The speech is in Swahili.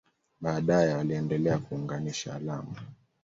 Baadaye waliendelea kuunganisha alama.